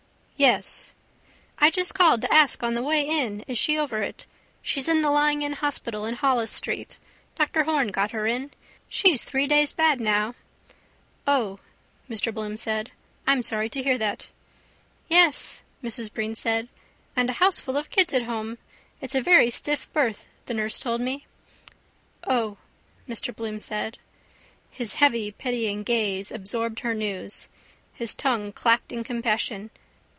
—Yes. —I just called to ask on the way in is she over it. She's in the lying in hospital in Holles street. Dr Horne got her in. She's three days bad now. —O, Mr Bloom said. I'm sorry to hear that. —Yes, Mrs Breen said. And a houseful of kids at home. It's a very stiff birth, the nurse told me. —O, Mr Bloom said. His heavy pitying gaze absorbed her news. His tongue clacked in compassion.